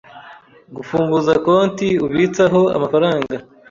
Gufunguza konti ubitsaho amafaranga